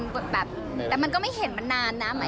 หยุดผิดมันก็ไม่เห็นมานานนะ